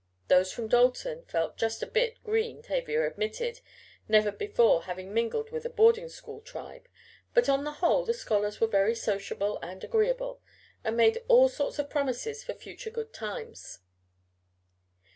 Those from Dalton felt just a bit "green" Tavia admitted, never before having mingled with a boarding school "tribe," but on the whole the scholars were very sociable and agreeable, and made all sorts of promises for future good times.